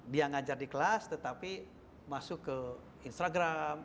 dia ngajar di kelas tetapi masuk ke instagram